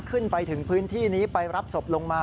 ขึ้นไปถึงพื้นที่นี้ไปรับศพลงมา